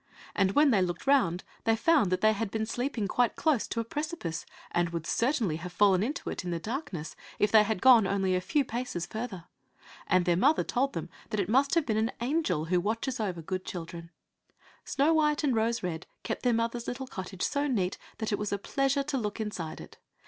And when they looked round they found that they had been sleeping quite close to a precipice, and would certainly have fallen into it in the darkness if they had gone only a few paces further. And their mother told them that it must have been the angel who watches over good children. Snow white and Rose red kept their mother's little cottage so neat that it was a pleasure to look inside it.